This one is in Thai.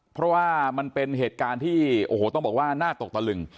เพราะว่ามันเป็นเหตุการณ์ที่โอ้โหต้องบอกว่าน่าตกตะลึง